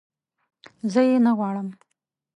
زه یې نه غواړم